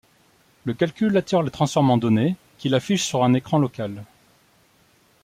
Le calculateur les transforme en données qu’il affiche sur un écran local.